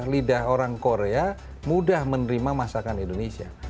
lidah orang korea mudah menerima masakan indonesia